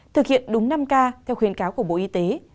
thực hiện đúng năm k theo khuyến cáo của bộ y tế